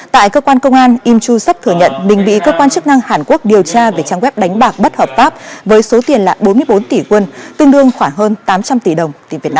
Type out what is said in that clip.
tại cơ quan công an im chu sắp thừa nhận mình bị cơ quan chức năng hàn quốc điều tra về trang web đánh bạc bất hợp pháp với số tiền là bốn mươi bốn tỷ quân tương đương khoảng hơn tám trăm linh tỷ đồng